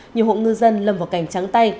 nhiều hộng ngư dân lầm vào cảnh trắng tay